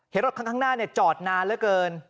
เห็นรถข้างหน้าจอดนานแล้วกัน